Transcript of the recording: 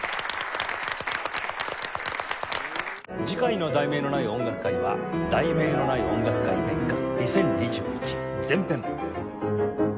次回の『題名のない音楽会』は「『題名のない音楽会』年鑑２０２１前編」